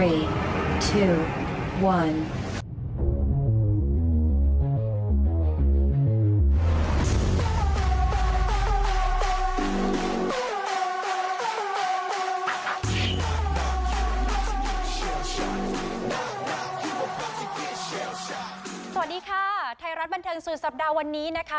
สวัสดีค่ะไทยรัฐบันเทิงสุดสัปดาห์วันนี้นะคะ